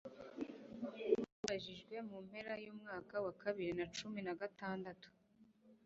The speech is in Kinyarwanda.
cyabajijwe mu mpera y'umwaka wa bibiri na cumi nagatandatu